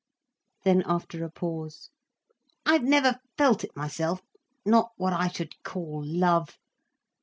Then, after a pause, "I've never felt it myself—not what I should call love.